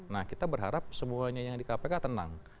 nah kita berharap semuanya yang di kpk tenang